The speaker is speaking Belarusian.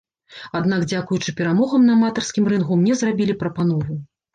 Аднак дзякуючы перамогам на аматарскім рынгу мне зрабілі прапанову.